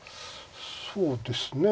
そうですね。